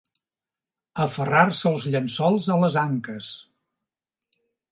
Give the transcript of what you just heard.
Aferrar-se els llençols a les anques.